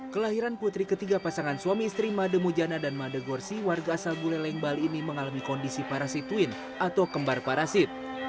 kelahiran putri ketiga pasangan suami istri made mujana dan made gorsi warga asal buleleng bali ini mengalami kondisi parasitwin atau kembar parasit